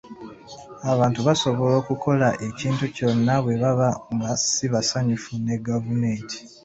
Abantu basobola okukola ekintu kyonna bwe baba nga si basanyufu ne gavumenti.